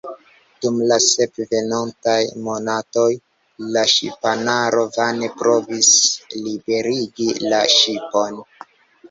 Dum la sep venontaj monatoj la ŝipanaro vane provis liberigi la ŝipon.